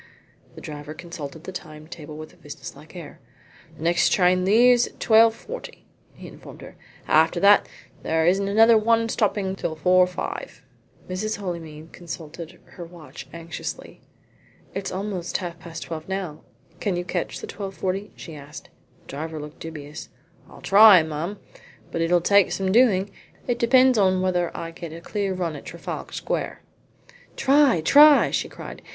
The driver consulted the time table with a businesslike air. "The next train leaves at 12.40," he informed her. "After that there isn't another one stopping there till 4.5." Mrs. Holymead consulted her watch anxiously. "It's almost half past twelve now. Can you catch the 12.40?" she asked. The driver looked dubious. "I'll try, ma'am, but it'll take some doing. It depends whether I get a clear run at Trafalgar Square." "Try, try!" she cried.